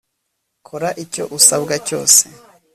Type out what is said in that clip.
kora icyo usabwa cyose